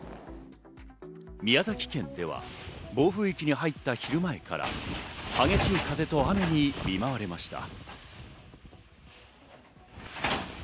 宮崎県では暴風域に入った昨日昼前から激しい風と雨に見舞われました。